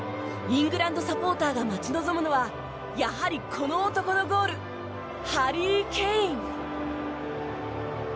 イングランドサポーターが待ち望むのはやはりこの男のゴールハリー・ケイン。